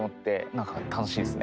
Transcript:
なんか楽しいですね。